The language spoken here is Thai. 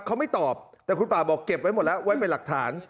เขาไม่ตอบแต่คุณป่าบอกเก็บไว้หมดแล้วไว้เป็นหลักฐาน